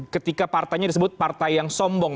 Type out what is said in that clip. ketika partainya disebut partai yang sombong